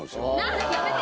やめて！